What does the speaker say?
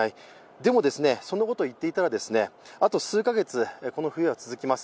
でも、そんなことをいっていたら、あと数か月この冬は続きます。